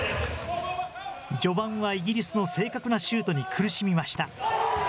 序盤はイギリスの正確なシュートに苦しみました。